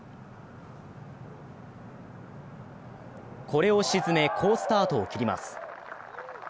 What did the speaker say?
これを沈め、好スタートを切ります